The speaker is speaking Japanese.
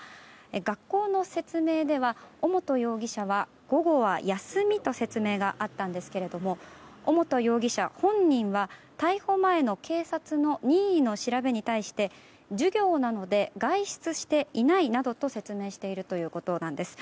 学校の説明では尾本容疑者は午後は休みと説明があったんですが尾本容疑者本人は逮捕前の警察の任意の調べに対して授業なので外出していないなどと説明しているということです。